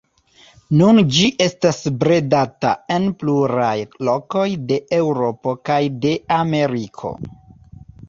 Nun ĝi estas bredata en pluraj lokoj de Eŭropo kaj de Ameriko.